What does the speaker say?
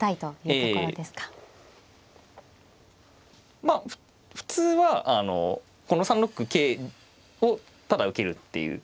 まあ普通はこの３六桂をただ受けるっていう。